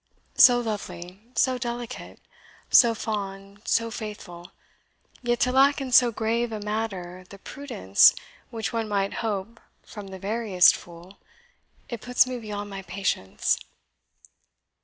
So lovely, so delicate, so fond, so faithful, yet to lack in so grave a matter the prudence which one might hope from the veriest fool it puts me beyond my patience."